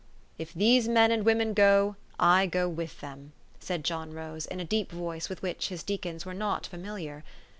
" If these men and women go, I go with them," said John Rose in a deep voice with which his dea cons were not familiar.